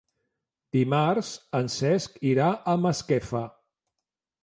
Dimarts en Cesc irà a Masquefa.